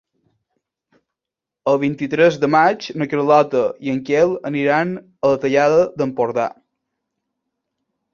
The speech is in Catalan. El vint-i-tres de maig na Carlota i en Quel aniran a la Tallada d'Empordà.